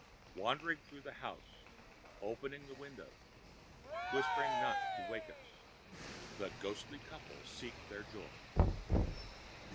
Wandering through the house, opening the windows, whispering not to wake us, the ghostly couple seek their joy.